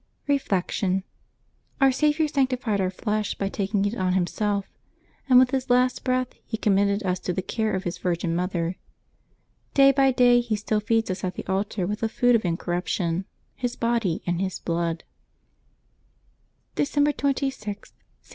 Reflection. — Our Saviour sanctified our flesh by taking it on Himself, and with His last breath He commended us to the care of His Virgin Mother. Day by day He still feeds us at the altar with the food of incormption — His body and His blood. Decembeb 27] LIVES OF TEE SAINTS SS"; December 26.